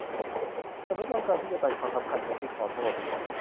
ฉันไม่ต้องการที่จะตัดความสัมพันธ์ฉันจึงขอโทษ